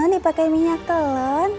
dipakein minyak telon